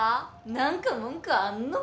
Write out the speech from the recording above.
何か文句あんのか？